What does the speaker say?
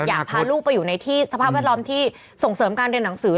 อยากพาลูกไปอยู่ในที่สภาพแวดล้อมที่ส่งเสริมการเรียนหนังสือ